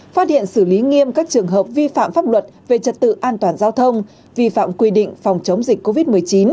phát hiện xử lý nghiêm các trường hợp vi phạm pháp luật về trật tự an toàn giao thông vi phạm quy định phòng chống dịch covid một mươi chín